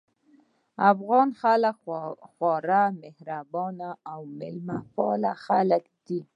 افغان خلک خورا مهربان او مېلمه پال خلک دي